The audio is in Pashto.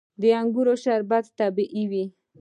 د انګورو شربت طبیعي وي.